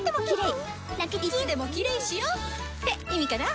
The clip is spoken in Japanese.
いつでもキレイしよ！って意味かな！